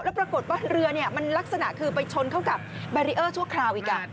แล้วปรากฏว่าเรือมันลักษณะคือไปชนเข้ากับแบรีเออร์ชั่วคราวอีก